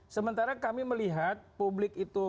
sementara kami melihat publik itu